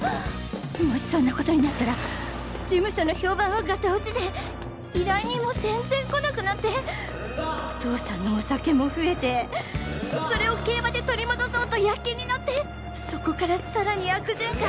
もしそんなことになったら事務所の評判はがた落ちで依頼人も全然来なくなってお父さんのお酒も増えてそれを競馬で取り戻そうと躍起になってそこからさらに悪循環